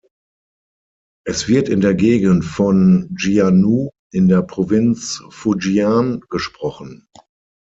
Es wird in der Gegend von Jian’ou in der Provinz Fujian gesprochen.